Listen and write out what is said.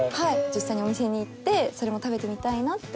実際にお店に行ってそれも食べてみたいなって思って。